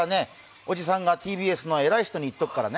おじさんがＴＢＳの偉い人に言っておくからね。